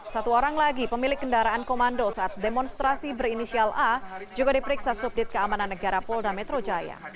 satu orang lagi pemilik kendaraan komando saat demonstrasi berinisial a juga diperiksa subdit keamanan negara polda metro jaya